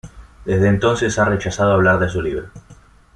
Desde entonces ha rechazado hablar de su libro.